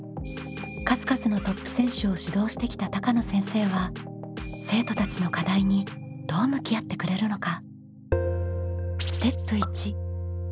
数々のトップ選手を指導してきた高野先生は生徒たちの課題にどう向き合ってくれるのか？